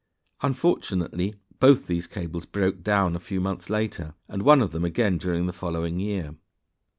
Unfortunately both these cables broke down a few months later, and one of them again during the following year.